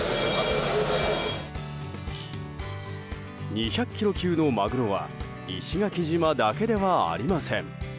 ２００ｋｇ級のマグロは石垣島だけではありません。